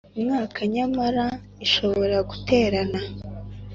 Mwaka nyamara ishobora guterana